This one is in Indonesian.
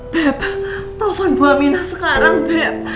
beb telfon bu aminah sekarang beb